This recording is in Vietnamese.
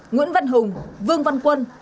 nguyễn văn hùng vương văn quân